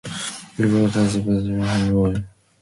He worked as a programmer for Honeywell.